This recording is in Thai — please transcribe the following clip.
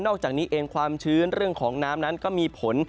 อกจากนี้เองความชื้นเรื่องของน้ำนั้นก็มีผล